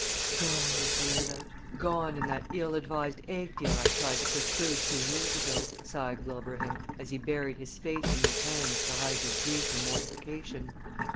"Gone, Ethelinda gone in that ill advised egg deal I tried to put through two years ago," sighed Wilbraham, as he buried his face in his hands to hide his grief and mortification.